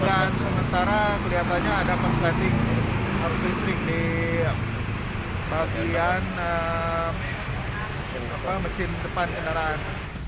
dan sementara kelihatannya ada persleting arus listrik di bagian mesin depan kendaraan